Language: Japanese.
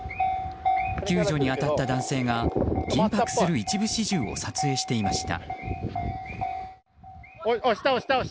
救助に当たった男性が緊迫する一部始終を撮影していました。